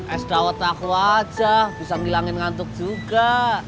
es dawet aku aja bisa ngilangin ngantuk juga